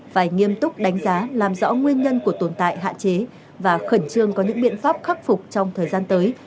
phải nghiêm túc đánh giá làm rõ nguyên nhân của tồn tại hạn chế và khẩn trương có những biện pháp khắc phục trong thời gian tới